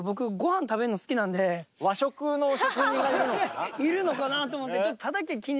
えなんかいるのかなと思って。